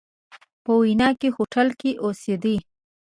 په ویانا کې هوټل کې اوسېدی.